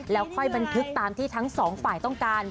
แล้วค่อยบันทึกตามที่ทั้งสองฝ่ายต้องการ